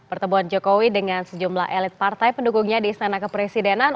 pertemuan jokowi dengan sejumlah elit partai pendukungnya di istana kepresidenan